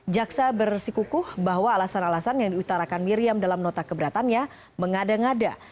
jaksa bersikukuh bahwa alasan alasan yang diutarakan miriam dalam nota keberatannya mengada ngada